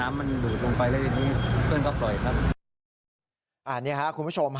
สารน้ำมันหลุดลงไปแล้วทีนี้เพื่อนก็ปล่อยครับ